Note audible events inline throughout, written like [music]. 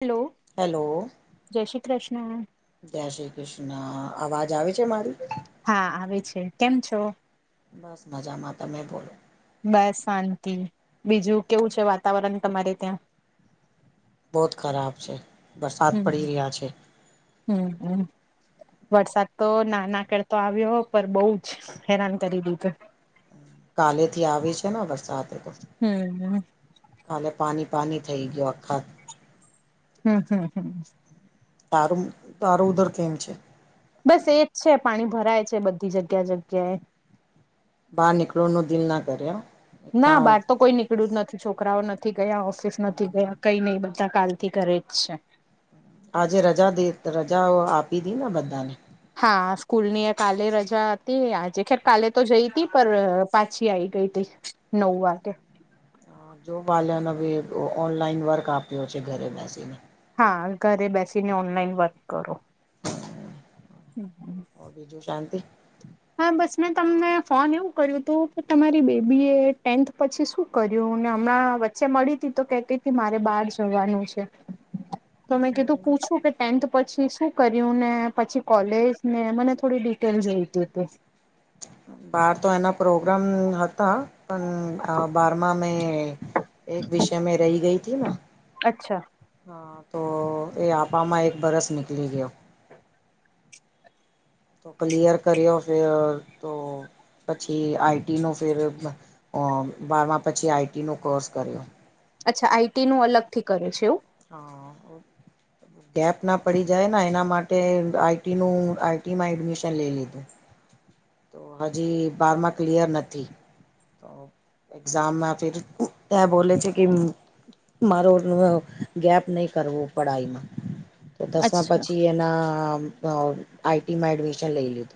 Hello. Hello. જય શી ક્ર્ષ્ન. જય શી દુષ્ટ, અવાજ આવે છે મારુ? હા આવે છે કેમ છો મસ મજામાં. તમે બોલો. બસ શાંતિ. બીજું કેવું છે, વાતાવરણ તમારે ત્યાં. બોત ખરાબ છે, બરસાત પડી રીયા છે. હું-હું. વરસાદ તો નાના કરતો આવ્યો, પર બઉ જ હેરાન કરી દીધો. કાલે થી આવી છે ને, બરસાત તે તો. હમ કાલે પાની પાની થઈ ગીયુ અખા હમ્મ, હમ્મહ તારું તારું ઉધર કેમ છે. બસ એજ છે, પાણી ભરાય છે, બધી જગ્યા જગ્યાએ. બાર નીકળુંનું દિલ ના કરે, એમ તાવં ખેડૂત નથી, છોકરાઓ નથી, ગયા ઓફિસ નથી ગયા કઈ નઇ બધા કાલ થી ઘરે જ છે. આજે રજા દીત રજાઓ, આપી દી ને બધાને. હા સ્કૂલ ની કાલે રજા અતી, આજે ત ખેર કાલે તો જઈ તી પર પાછી આયી ગઈ તી. નવ વાટે. જો વાલન અઓનલાઈન વર્ક આપ્યો છે ઘરે બેસીને હા, ઘરે બેસીને ઓનલાઈન વર્ક કરો. બીજું શાંતિ? હા બસ મેં તમને ફોન એવું કર્યું તું કે તમારી બેબી એ ટેન્થ પછી શું કર્યું ને હમણાં વચ્ચે મળીતી તો કેતીતી કે મારે બાર જવાનું છે. તો મેં કીધું પૂછું કે ટેન્થ પછી શું કર્યું ને પછી કોલેજ ને મને થોડી ડિટેલ જોઈતીતી. બાર તો એના પ્રોગ્રામ હતા પન અ બારમામાં એ એક વિષયમે રઇ ગઈતી ન. અચ્છા હ તો એ આપામાં એક બરસ નીકળી ગયું. ક્લીિયર કર્યો ફીર તો પછી આઈટીનો ફેર અ બારમા પછી આઈટીનો કોર્સ કર્યો. અચ્છા આઈટીનું અલગથી કરે છે એવું? હ.. [inaudible] ગેપ ના પડી જાય ને એના માટે આઈટીનું આઈટીમાં એડમિશન લઈ લીધું. તો હજી બારમાં ક્લીયર નથી. તો એક્ઝામમાં ફિર ત્યાં બોલે છે કે, મારો અ ગેપ નઇ કરવો પડે પડાઈમાં. તો દસમાં અચ્છા પછી એના અ આઈટીમાં એડમિશન લઈ લીધું.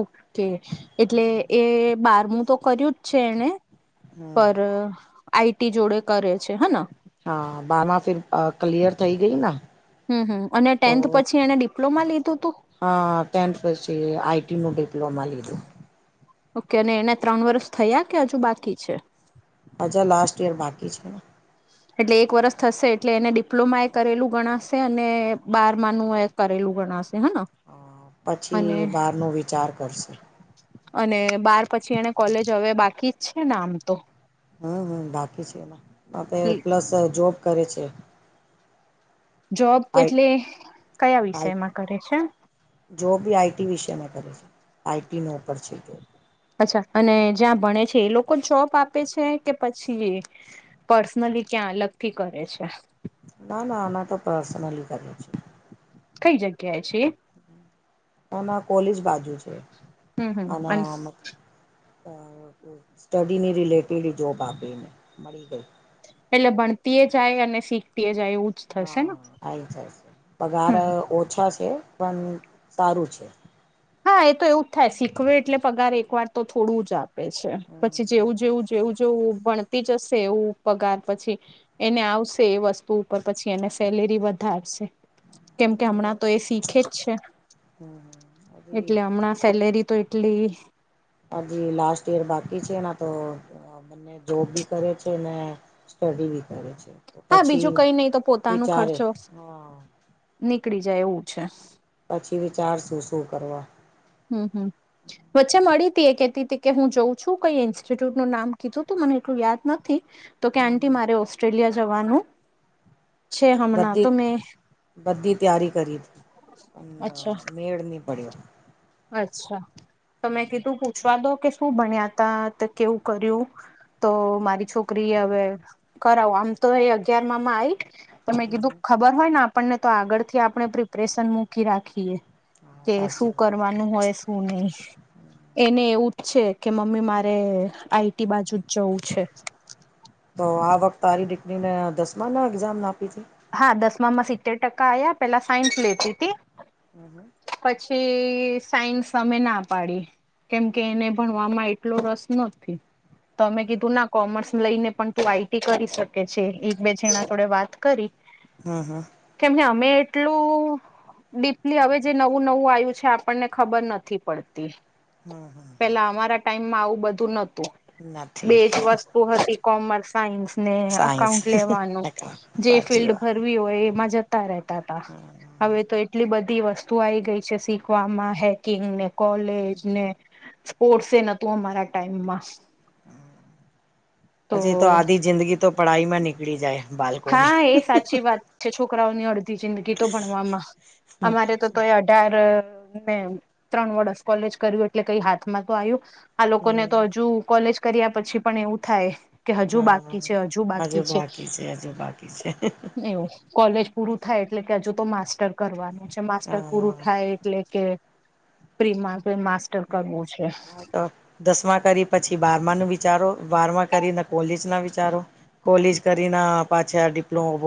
ઓકે, એટલે એ બારમું તો કર્યું છે એને, હમ પર આઈટી જોડે કરે છે હ ને? હા બારમાં ફિર અ ક્લિયર થઈ ગઈ ના. હમ હમ. અને ટેન્થ તો પછી એને ડિપ્લોમા લીધુંતું? હા, ટેન્થ પછી આઈટીનું ડિપ્લોમા લીધું. ઓકે, અને એને ત્રણ વર્ષ થયા કે અજુ બાકી છે? અજા લાસ્ટ યર બાકી છેને. એટલે એક વર્ષ થશે એટલે એને ડિપ્લોમાયે કરેલું ગણાશે અને બાર માનું એ કરેલું ગણાશે હન? અ પછી એ બહારનો વિચાર કરશે. અને બાર પછી એને કોલેજ હવે બાકી જ છે ને આમ તો? હમ હમ, બાકી છે એમાં. અતે પ્લસ જોબ કરે છે. જોબ આઈ એટલે કયા આઈ વિષયમાં કરે છે? જોબ બી આઈટી વિષયમાં કરે છે, આઈટીનો ઉપર છે એટલે. અચ્છા, અને જ્યાં ભણે છે એ લોકો જોબ આપે છે કે પછી પર્સનલી ક્યાં અલગથી કરે છે. ના ના આમાં તો પર્સનલી કરે છે. કઈ જગ્યાએ છે એ? એના કૉલેજ બાજુ છે, હમ હમ અને આમાં અ સ્ટડીની રિલેટેડ જોબ આપીને મળી ગઈ. એટલે ભણતી એ જાય અને શીખતી જાય એવું જ થશે હા ને આય જાય છે પગાર હમ ઓછા છે પણ સારું છે. હા એ તો એવું જ થાય શીખવે એટલે પગાર એકવાર તો થોડું જ આપે છે. હમ પછી જેવું જેવું જેવું જેવું ભણતી જશે એવું પગાર પછી એને આવશે એ વસ્તુ ઉપર પછી એને સેલેરી વધારશે. કેમ કે અમના તો એ શીખે જ છે. હમ હવે એ એટલે હમણાં સેલેરી તો એટલી હજી લાસ્ટ યર બાકી છે એના તો બંને જોબ બી કરે છે ને સ્ટડી બી કરે છે. હા પછી બીજું કઈ નય તો પોતાનો વિચારે ખર્ચો હા નીકળી જાય એવું છે. પછી વિચાર શું શું કરવા હમ હમ. વચ્ચે મળી હતી એ કેતી હતી કે હું જાઉં છું કઈ ઇન્સ્ટિટ્યૂટનું નામ કીધું તું મને એટલું યાદ નથી. તો કે આંટી મારે ઓસ્ટ્રેલિયા જવાનું છે હમણાં બધી તો મેં બધી તૈયારી કરી હતી પણ અચ્છા મેળ નહી પડ્યો. અચ્છા તો મે કીધું પૂછવા દો કે શું ભણ્યા તા તો કેવું કર્યું? તો મારી છોકરી એ હવે કરાવો આમ તો એ અગિયારમા આયી. તમે મે હમ કીધું હમ ખબર હોય ને આપણને તો આગળથી આપણે પ્રિપ્રેશન મૂકી રાખીએ હા કે શું સાચી વાત કરવાનું હોય શું નહી. એને એવું જ છે કે મમ્મી મારે આઈટી બાજુ જ જવું છે. તો આ વખત તારી દીકરીને દસમાના એક્ઝામ આપી તી હા દસમામાં સિત્તેર ટકા આવ્યા પેલા સાયન્સ લેતી તી હમ હમ. પછી સાયન્સ અમે ના પાડી. કેમકે એને ભણવામાં એટલો રસ નથી. તો અમે કીધું ના કોમર્સ લઈને પણ તું આઈટી કરી શકે છે એક બે જણા જોડે વાત કરી. હમ હમ. કેમકે અમે એટલું ડીપલી હવે જે નવું નવું આવ્યું છે આપણને ખબર નથી પડતી. હમ પેલા અમારા ટાઈમમાં આવું બધું નતું હમ નથી બેજ વસ તું હતી કોમર્સ સાયન્સને સાયન્સ અકાઉન્ટ લેવાનું જે સાચી વાત કરવી હોય એમાં જતા રહેતા હતા હવે તો એટલી બધી વસ તું આય ગય છે શીખવામાં હેકિંગ ને કોલેજ ને સ્પોર્ટસ એ નતું અમારા ટાઈમમાં પછી તો આધી જિંદગી તો પઢાઈમાં નીકળી જાય બાલ હા એ સાચી વાત છે છોકરાઓની અડધી જિંદગી તો ભણવામાં અમારે તો તો એ અઢાર ને ત્રણ વર્ષ કોલેજ કર્યું એટલે કઈ હાથમાં તો આવ્યું. આ લોકોને હમ તો હજુ કોલેજ કર્યા પછી પણ એવું થાય કે હજુ બાકી છે હ હજુ બાકી છે હજુ બાકી છે. એવું કોલેજ પૂરું થાય એટલે કે હજુ તો માસ્ટર કરવાનું. માસ્ટર પૂરું હા થાય એટલે કે પ્રિ હમ હા તો. દસમા કરી પછી બારમાનું વિચારો બારમા કરીને કોલેજના વિચારો કોલેજ કરીને પાછા ડિપ્લોમ.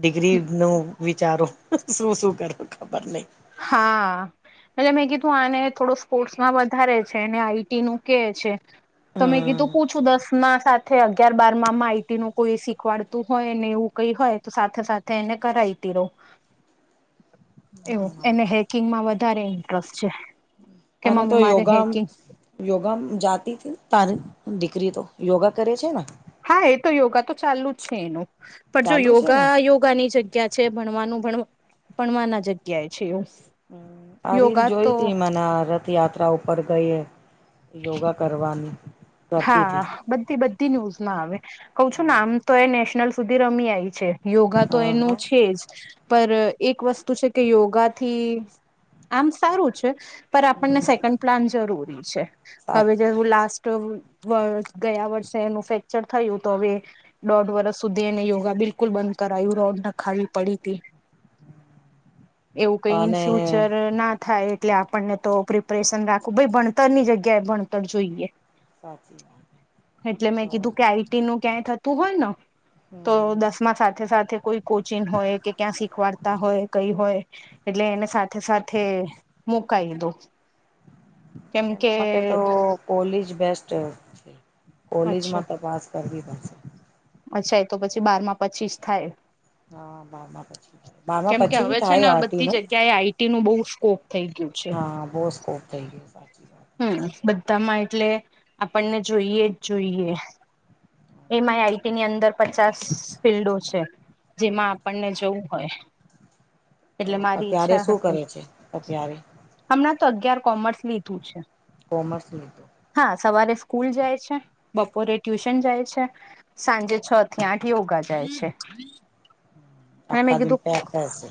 ડિગ્રીનું વિચારો શું શું કરો ખબર નહીં. હા. એટલે મેં કીધું આને થોડો સ્પોર્ટ્સમાં વધારે છે અને આઈટીનું કે છે. તો મેં હમ કીધું પૂછું દસ ના સા અગિયાર બારમાંમા આઈટીનું કોઈ શીખવાડતું હોય ને એવું કઈ હોય તો સાથે સાથે એને કરાયતી રહો. એવું એને હેકિંગમાં વધારે ઇન્ટરેસ્ટ છે. કે અને તો મમ્મી મારે યોગા હેકિંગ યોગા જાતી તારી દીકરી તો યોગા કરે છે ને. હા એ તો યોગા તો ચાલુ જ છે એનું પણ જો ચાલુ છે ને યોગા યોગાની જગ્યા જગ્યા છે ભણવાનું ભણ ભણવાના જગ્યાએ છે એવું. આ રીલ યોગા તો જોઈતી મના યાત્રા ઉપર ગઈ યોગા કરવાનું હા બધી બધી ન્યૂઝમાં આવે કઉ હ છું આમ તો એ નેશનલ સુધી રમી આવી છે. યોગા તો હા એનું હા છે જ. પર એક વસ્તુ છે કે યોગાથી આમ સારું છે. પર આપણને હમ સેકન્ડ પ્લાન જરૂરી છે હવે સાચી જેવું લાસ્ટ ગયા વર્ષે એનું ફ્રેક્ચર થયું તો હવે દોઢ વર્ષ સુધી એને યોગા બિલકુલ બંધ કરાયું રોડ નખાવી પડી હતી. એવું કઈ અને ઇનફ્યુચર ના થાય. એટલે આપણને તો પ્રિપરેશન રાખવું ભાઈ ભણતરની જગ્યાએ ભણતર જોઈએ. સાચી વાત. એટલે મેં કીધું તો કે આઈટી નું ક્યાંય થતું હોય ન હમ તો હમ દસમાં સાથે સાથે કોઈ કોચિંગ હોય કે ક્યાં શીખવાડતા હોય કઈ હોય. એટલે એને સાથે સાથે મુકાઈ દો. કેમ કે એના માટે તો કોલેજ બેસ્ટ છે અચ્છા કોલેજમાં તપાસ કરવી પડશે. અચ્છા એ તો પછી બારમાં પછી જ થાય. હા બારમાં પછી થાય. બારમાં કેમ કે પછી બી હવે છે ને થાય આઈટી બધી નો જગ્યાએ આઈટી નું બહુ સ્કોપ થઈ ગયું છે હા બહુ સ્કોપ થઈ ગયો. સાચી વાત હમ્મ બધામાં એટલે આપણને જોઈએ જ જોઈએ. એમાં આઈટીની અંદર પચાસ ફિલ્ડો છે જેમાં આપણને જવુ હોય. તો એટલે મારી અત્યારે ઈચ્છા શું હતી. કરે છે અત્યારે હમણાં તો અગિયાર કોમર્સ લીધું છે. કોમર્સ લીધું. હા સવારે સ્કૂલ જાય છે બપોરે ટ્યુશન જાય છે. સાંજે છ થી આઠ યોગા જાય છે. હા મે આખા દિન કીધું પેક કરશે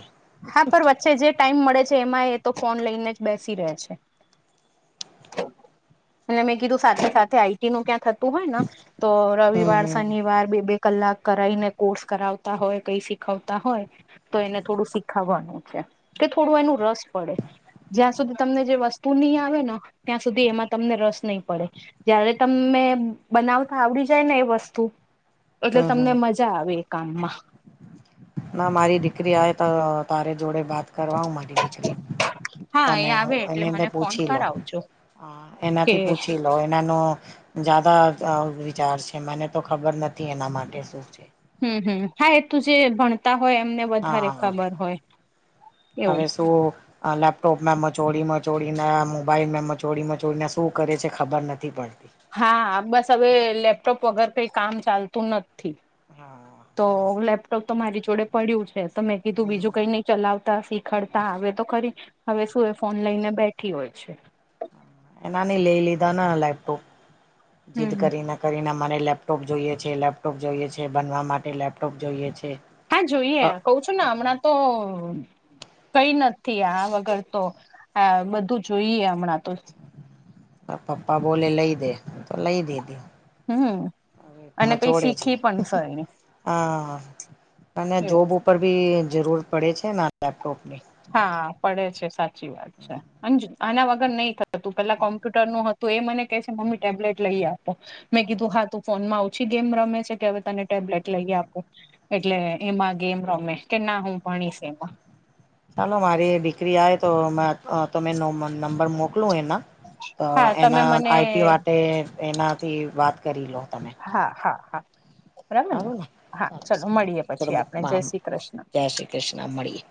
હા પરવા વચ્ચે જે ટાઈમ મળે છે એમાં એ તો ફોન લઈને જ બેસી રહે છે. અને મેં કીધું સાથે સાથે આઈટી નું ક્યાં થતું હોય ન તો હમ રવિવાર હમ શનિવાર બે બે કલાક કરાઈને કોર્સ કરાવતા હોય કંઈ શીખવતા હોય તો એને થોડું શીખાવવાનું છે. કે થોડું એનું રસ પડે. જ્યાં સુધી તમને જે વસ્તુ નય આવે ને ત્યાં સુધી એમાં તમને રસ નહીં પડે. જયારે તમમે બનાવતા આવડી જાય ને એ વસ્તુ એટલે હમ તમને હમ મજા આવે એ કામમાં ના મારી દીકરી આવે તો તારે જોડે વાત કરાવું મારી દીકરીને હા એ અને આવે એટલે એને મને મેં ફોન પૂછી લવ. કરાવજો કે એનાથી પૂછી લો એ. એનો જ્યાદા આવો વિચાર છે. મને તો ખબર નથી એના માટે શું છે? હમ્મ હમ્મ હા એ તો જે ભણતા હોય એમને વધારે હા ખબર હોય એવું લેપટોપમે મચોડી મચોડીને મોબાઈલમે મચોડી મચોડીને શું કરે છે? ખબર નથી પડતી. હા બસ હવે લેપટોપ વગર કંઈ કામ ચાલતું નથી. તો હા. બસ લેપટોપ તો મારી જોડે પડ્યું છે તો મેં કીધું બીજું હમ કંઈ નઈ ચલાવતા શીખ ખરતા આવે તો ખરી. હવે શું એ ફોન લઈને બેઠી હોય છે. એનાં અમે લઈ લીધાને લેપટોપ જીદ હમ કરીને. કરીને મારે લેપટોપ જોઈએ છે. લેપટોપ જોઈએ છે. ભનવા માટે લેપટોપ જોઈએ છે. હા જોઈએ. કઉ છું ને હમણાં તો કંઈ નથ્થી. આ વગર તો આ બધું જોઈએ હમણાં તો. તાર પપ્પા બોલે લઈ દે. તો લઈ દીધી. હમ્મ, હમ્મ. મચોડે છે. અહ અને જોબ ઉપ ઉપર બી જરૂર પડે છે ને આ લેપટોપની. હા પડે છે. સાચ્ચી વાત છે. અન જો આના વગર નહી થતું પેલા કોમ્પ્યુટરનું હ તો એ મને કે છે મમ્મી ટેબ્લેટ લઈ આપો. મેં કીધું હા તું ફોનમાં ઓછી ગેમ રમે છે કે હવે તને ટેબ્લેટ લઈ આપું. એટલે એમાં ગેમ રમે કે ના હું ભણીશ એમાં. ચાલો મારી દીકરી આવે તો માર તમે નો નંબર મોકલો એના. તો હા તમે એના મને આઈ ટી માટે એનાથી વાત કરી લો તમે. હા હા હા બરાબર ને? સારું હા સારું ચલો મળીએ પછી સારું આપડે. ચલો જય શ્રી કૃષ્ણ. જય શ્રી કૃષ્ણ મળીએ.